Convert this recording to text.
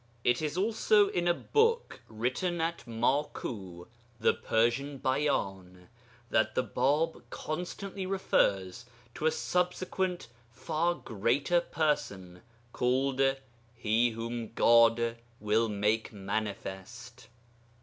] It is also in a book written at Maku the Persian Bayan that the Bāb constantly refers to a subsequent far greater Person, called 'He whom God will make manifest.'